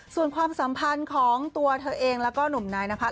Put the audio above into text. ส่วนความสัมพันธ์ของตัวเธอเองแล้วก็หนุ่มนายนพัฒ